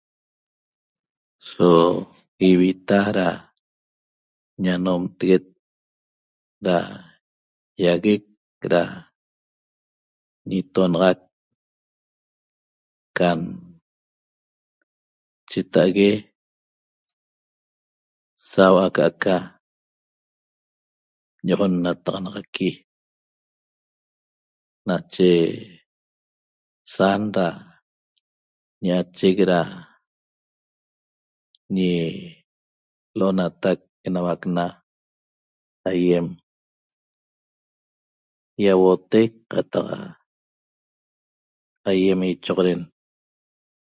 So ivita da ñanomteguet da ýagueec da ñitonaxac can cheta'ague sau'a aca'aca ño'oxonnataxanaxaqui nache san da ña'achec da ñi L'onatac Enauac Na aýem ýauotec qataq aýem ichoxoden